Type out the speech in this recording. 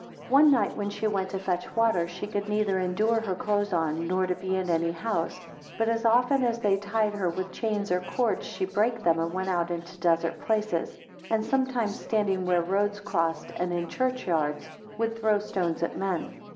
2 One night, when she went to fetch water, she could neither endure her clothes on, nor to be in any house; but as often as they tied her with chains or cords, she brake them, and went out into desert places, and sometimes standing where roads crossed, and in church yards, would throw stones at men.